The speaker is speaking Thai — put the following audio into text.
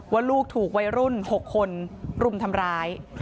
ว่าลูกถูกวัยรุ่น๖คนรุมทำร้าย